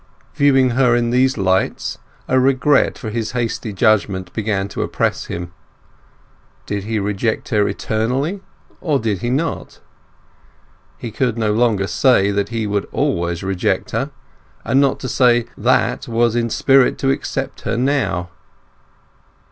Viewing her in these lights, a regret for his hasty judgement began to oppress him. Did he reject her eternally, or did he not? He could no longer say that he would always reject her, and not to say that was in spirit to accept her now.